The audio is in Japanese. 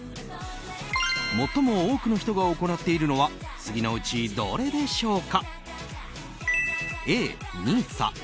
最も多くの人が行っているのは次のうちどれでしょうか？